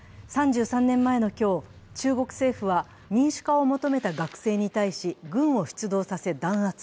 ３３年前の今日、中国政府は民主化を求めた学生に対し軍を主導させ、弾圧。